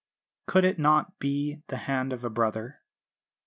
Could it not be the hand of a brother?